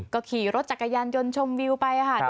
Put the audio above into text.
ก็ขี่รถจักรยานยนต์ชมวิวไปค่ะ